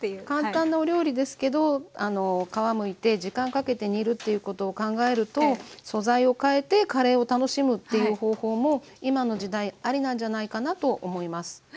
簡単なお料理ですけど皮むいて時間かけて煮るっていうことを考えると素材をかえてカレーを楽しむっていう方法も今の時代アリなんじゃないかなと思います。